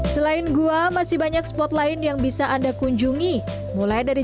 selain gua masih banyak spot lain yang bisa anda kunjungi mulai dari